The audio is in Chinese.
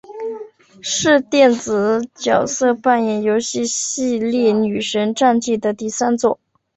是电子角色扮演游戏系列女神战记的第三作。